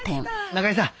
中井さん